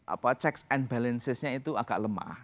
apa checks and balancesnya itu agak lemah